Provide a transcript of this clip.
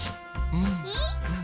うん！